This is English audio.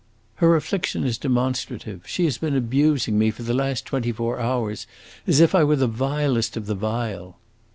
"Her affliction is demonstrative. She has been abusing me for the last twenty four hours as if I were the vilest of the vile."